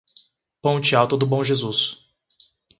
Ponte Alta do Bom Jesus